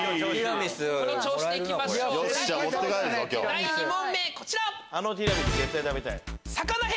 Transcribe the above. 第２問目こちら。